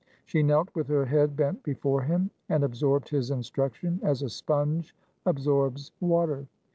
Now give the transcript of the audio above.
She knelt with her head bent before him, and absorbed his instruction as a sponge absorbs water.